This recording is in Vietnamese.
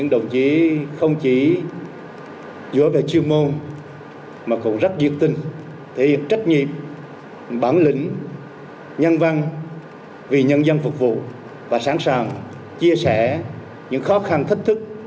nhiệm vụ trách nhiệm bản lĩnh nhân văn vì nhân dân phục vụ và sẵn sàng chia sẻ những khó khăn thách thức